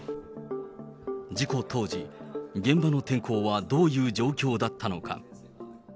事故当時、現場の天候はどういう状況だったのか。